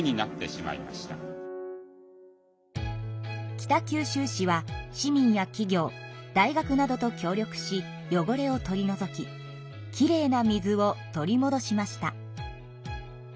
北九州市は市民や企業大学などと協力しよごれを取りのぞききれいな水を取りもどしました。